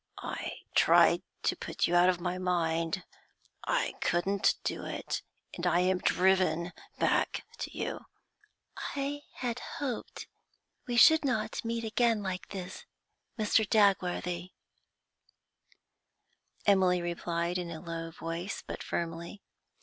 I tried to put you out of my mind. I couldn't do it, and I am driven back to you.' 'I hoped we should not meet again like this, Mr. Dagworthy,' Emily replied, in a low voice, but firmly.